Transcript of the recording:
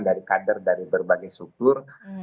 dari kader dari berbagai struktur